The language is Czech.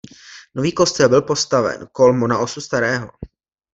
Nový kostel byl postaven kolmo na osu starého.